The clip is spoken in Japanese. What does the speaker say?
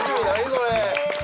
それ。